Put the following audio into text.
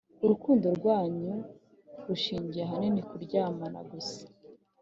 urukundo rwanyu rushingiye ahanini ku kuryamana gusa.